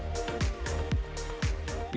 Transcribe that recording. daging daging yang lebih lembut dari daging daging sapi